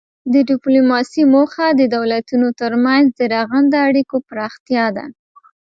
د ډیپلوماسي موخه د دولتونو ترمنځ د رغنده اړیکو پراختیا ده